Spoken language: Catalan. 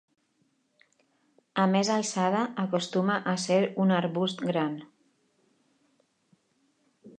A més alçada acostuma a ser un arbust gran.